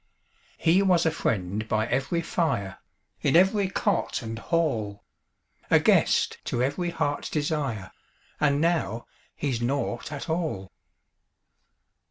He was a friend by every fire, In every cot and hall A guest to every heart's desire, And now he's nought at all.